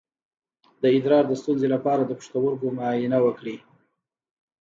د ادرار د ستونزې لپاره د پښتورګو معاینه وکړئ